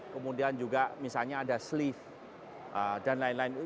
kemudian juga misalnya ada sleeve dan lain lain